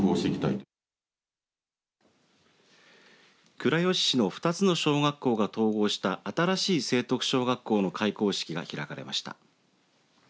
倉吉市の２つの小学校が統合した新しい成徳小学校の開校式が開かれました。